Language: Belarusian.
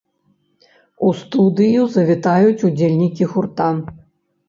У студыю завітаюць удзельнікі гурта!